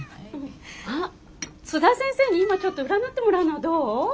あっ津田先生に今ちょっと占ってもらうのはどう？